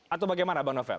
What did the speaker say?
atau bagaimana bang novel